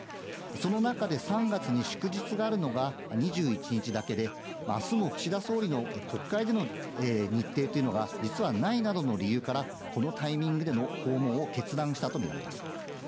その中で３月に祝日があるのが２１日だけで、明日の岸田総理の国会での日程というのが実はないなどの理由からこのタイミングでの訪問を決断したとみられます。